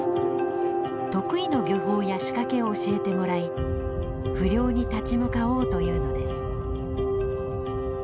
得意の漁法や仕掛けを教えてもらい不漁に立ち向かおうというのです。